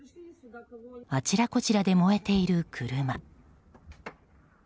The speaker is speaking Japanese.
あちらこちらで燃えている車。